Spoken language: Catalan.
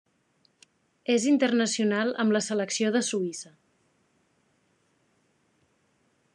És internacional amb la selecció de Suïssa.